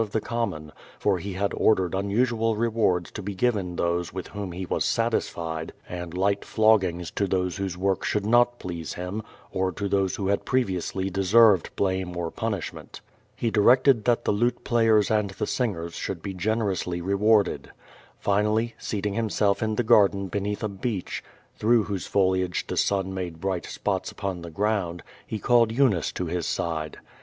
505 of the common, for he had ordered unusual rewards to be given those with whom he was satisfied, and light floggings to those whose work should not please him, or to those who had previously deserved blame or punishment. He directed that the lute players and the singers should be generously rewarded. Finally, seating himself in the garden beneath a beech, through whose foliage the sun made bright spots upon the ground, he called Eunice to his side.